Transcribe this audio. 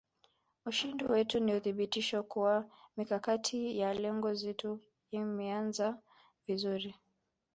Ushindi wetu ni uthibitisho kuwa mikakati ya lengo letu imeanza vizuri